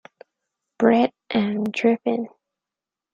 Bread and dripping.